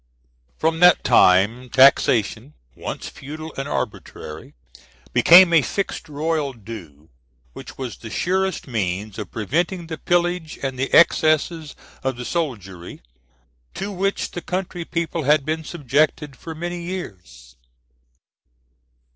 From that time taxation, once feudal and arbitrary, became a fixed royal due, which was the surest means of preventing the pillage and the excesses of the soldiery to which the country people had been subjected for many years.